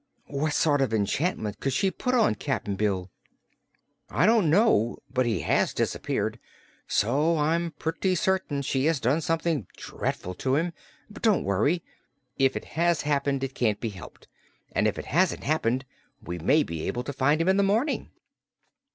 "What sort of an enchantment could she put on Cap'n Bill?" "I don't know. But he has disappeared, so I'm pretty certain she has done something dreadful to him. But don't worry. If it has happened, it can't be helped, and if it hasn't happened we may be able to find him in the morning."